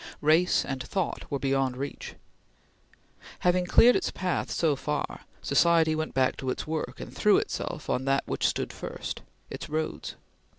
Race and thought were beyond reach. Having cleared its path so far, society went back to its work, and threw itself on that which stood first its roads.